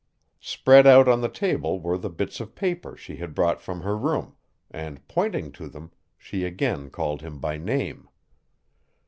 Spread out on the table were the bits of paper she had brought from her room, and, pointing to them, she again called him by name.